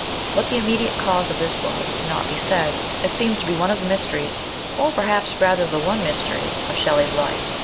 What the immediate cause of this was cannot be said ; 136 MRS. SHELLEY. it seems to be one of the mysteries, or perhaps rather the one mystery, of Shelley's life.